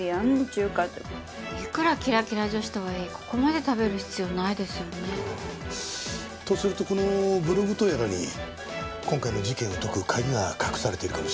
いくらキラキラ女子とはいえここまで食べる必要ないですよね。とするとこのブログとやらに今回の事件を解く鍵が隠されているかもしれませんね。